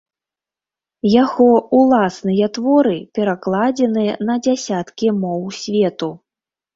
Яго ўласныя творы перакладзены на дзясяткі моў свету.